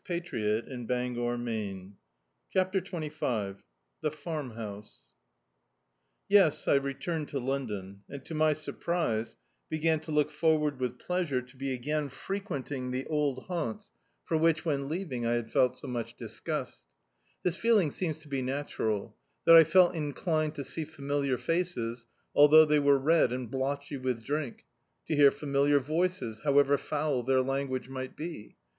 Dictzed by Google CHAPTER XXV THE FARMHOUSE Y'S, I returned to London, and to my sur prise, began to look forward with pleasure to be again frequenting the old haunts for which, when leaving I had felt so much disgust. This feeling seems to be natural ; that I felt inclined to see familiar faces, although they were red and blotchy with drink; to hear familiar voices, however foul their language might be.